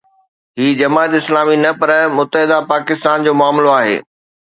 هي جماعت اسلامي نه پر متحده پاڪستان جو معاملو آهي.